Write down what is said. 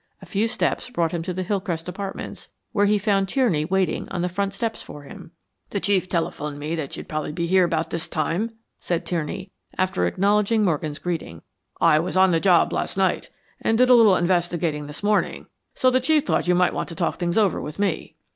A few steps brought him to the Hillcrest apartments, where he found Tierney waiting on the front steps for him. "The Chief telephoned me that you would probably be here about this time," said Tierney, after acknowledging Morgan's greeting. "I was on the job last night, and did a little investigating this morning, so the Chief thought you might want to talk things over with me."